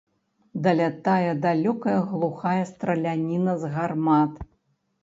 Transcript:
Далятае далёкая глухая страляніна з гармат.